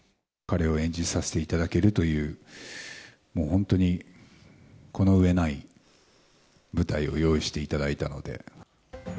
彼を演じさせていただけるという、もう本当に、この上ない舞台を用意していただいたので。